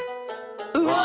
うわ！